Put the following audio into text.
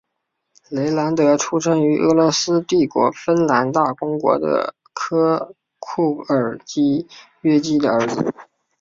雷兰德出生于俄罗斯帝国芬兰大公国的库尔基约基的儿子。